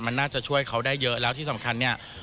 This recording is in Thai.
มันน่าจะช่วยเขาได้เยอะแล้วที่สำคัญเนี่ย